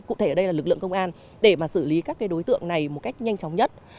cụ thể ở đây là lực lượng công an để mà xử lý các đối tượng này một cách nhanh chóng nhất